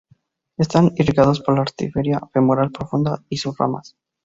Están irrigados por la arteria femoral profunda y sus ramas.